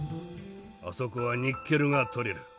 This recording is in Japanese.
あそこはニッケルが採れる。